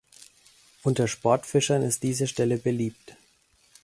Unter Sportfischern ist diese Stelle beliebt.